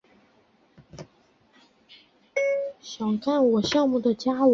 它们的爬山能力仅次于羱羊。